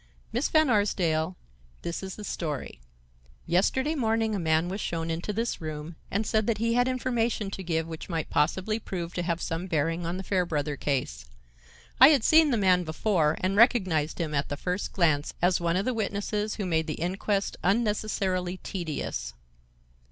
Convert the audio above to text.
Miss Van Arsdale, this is the story: Yesterday morning a man was shown into this room, and said that he had information to give which might possibly prove to have some bearing on the Fairbrother case. I had seen the man before and recognized him at the first glance as one of the witnesses who made the inquest unnecessarily tedious.